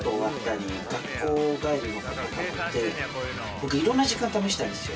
僕いろんな時間試したんですよ。